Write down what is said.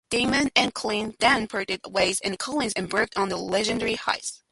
Demon and Collins then parted ways and Collins embarked on a lengthy hiatus.